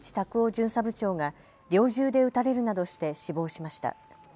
巡査部長が猟銃で撃たれるなどして死亡しました。